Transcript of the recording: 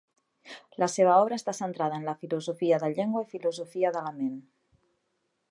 La seva obra està centrada en la filosofia de llengua i Filosofia de la ment.